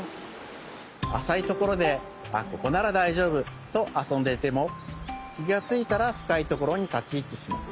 あさいところでここならだいじょうぶとあそんでいてもきがついたらふかいところにたちいってしまう。